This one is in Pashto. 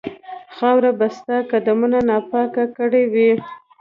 خاوره به ستا قدمونو ناپاکه کړې وي.